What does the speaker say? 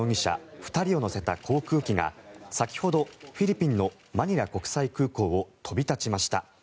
２人を乗せた航空機が先ほどフィリピンのマニラ国際空港を飛び立ちました。